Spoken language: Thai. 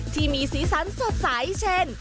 ที่มีสีสันสดใสเช่น